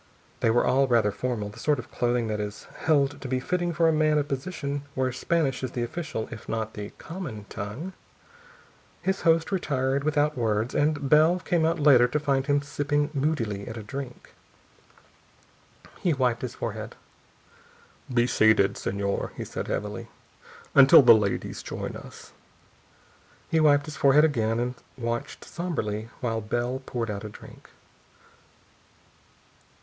They were all rather formal, the sort of clothing that is held to be fitting for a man of position where Spanish is the official if not the common tongue. His host retired, without words, and Bell came out later to find him sipping moodily at a drink, waiting for him. He wiped his forehead. "Be seated, Señor," he said heavily, "until the ladies join us." He wiped his forehead again and watched somberly while Bell poured out a drink.